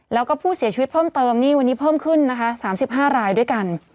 แล้วก็ผู้เสียชีวิตเพิ่มเติมนี่วันนี้เพิ่มขึ้นนะคะ๓๕รายด้วยกัน